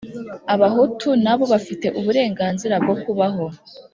abahutu na bo bafite uburenganzira bwo kubaho.